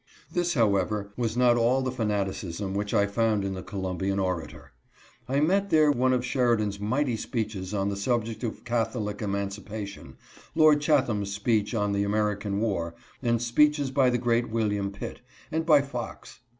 ThiSj. however, was not all the fanaticism which I found in the Columbian Orator. I met therejme of Sheridan's mighty speeches^ on the subject of Catholic Emancipation, Lord Chatham's speech on the American War, and speeches by the great William Pitt, and by Fox.